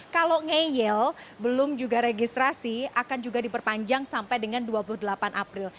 kalau ngeyel belum juga registrasi akan juga diperpanjang sampai dengan dua puluh delapan april